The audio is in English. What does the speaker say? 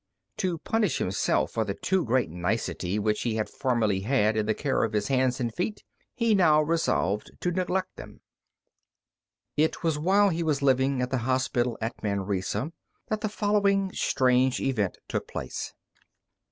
To punish himself for the too great nicety which he had formerly had in the care of his hands and feet, he now resolved to neglect them. It was while he was living at the hospital at Manresa that the following strange event took place.